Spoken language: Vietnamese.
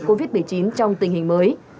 covid một mươi chín trong tình hình mới